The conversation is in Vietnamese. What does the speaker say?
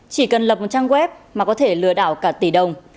chỉ cần lập một trang web mà có thể lừa đảo cả tỷ đồng